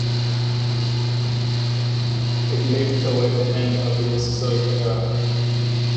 It lived towards the end of the Mesozoic era.